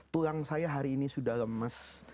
tulang saya hari ini sudah lemes